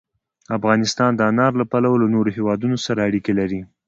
افغانستان د انار له پلوه له نورو هېوادونو سره اړیکې لري.